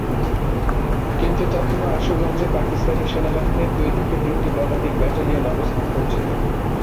কিন্তু তখনো আশুগঞ্জে পাকিস্তানি সেনাবাহিনীর দুই থেকে তিনটি পদাতিক ব্যাটালিয়ন অবস্থান করছিল।